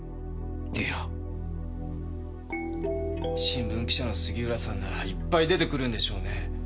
新聞記者の杉浦さんならいっぱい出てくるんでしょうね。